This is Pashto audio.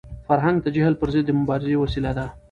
فرهنګ د جهل پر ضد د مبارزې وسیله ده.